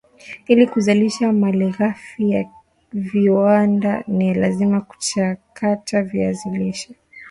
Ili Kuzalisha malighafi ya viwanda ni lazima kuchakata viazi lishe